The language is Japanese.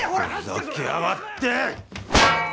ふざけやがって。